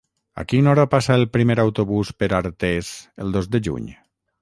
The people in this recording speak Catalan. A quina hora passa el primer autobús per Artés el dos de juny?